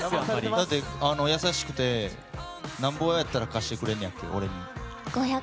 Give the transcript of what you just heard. だって、優しくてなんぼやったら貸してくれんねやっけ？